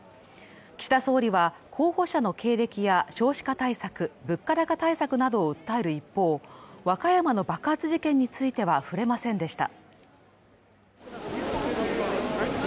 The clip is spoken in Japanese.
岸田総理は候補者の経歴や少子化対策、物価高対策などを訴える一方、和歌山の爆発事件については触れませんでした。